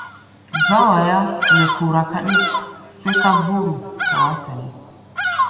Záwaya nɛ́ kora káɗí sɛ́ká bóóro hɔá sɛnɛ́.